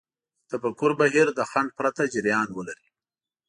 د تفکر بهير له خنډ پرته جريان ولري.